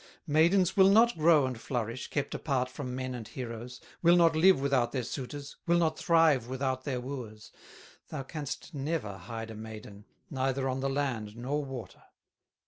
Maidens will not grow and flourish, Kept apart from men and heroes, Will not live without their suitors, Will not thrive without their wooers; Thou canst never hide a maiden, Neither on the land nor water."